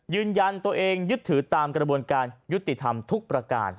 ยืนยันตัวเองยึดถือตามกระบวนการยุติธรรมทุกประการ